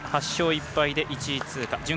８勝１敗で１位通過。